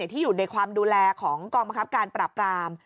ที่อยู่ในความดูแลของกองบังคับการปราบราม